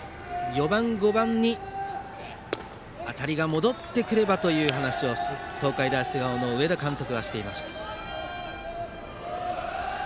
４番、５番に当たりが戻ってくればという話を東海大菅生の上田監督がしていました。